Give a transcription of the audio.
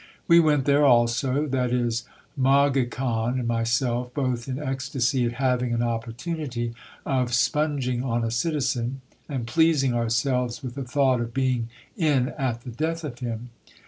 We went there also, that is, Mogicon and myself, both in ecstasy at hav ing an opportunity of spunging on a citizen, and pleasing ourselves with the thought of being in at the death of him.